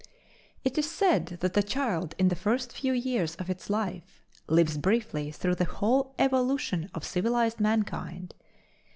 It is said that a child in the first few years of its life lives briefly through the whole evolution of civilized mankind.